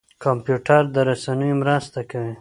کمپيوټر د رسنيو مرسته کوي.